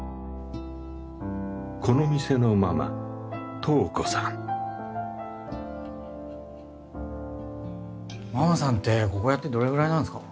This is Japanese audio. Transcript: この店のママトウコさんママさんってここやってどれくらいなんですか？